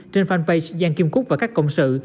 trên fanpage giang kim cúc và các công sự